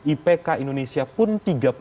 ipk indonesia pun tiga puluh empat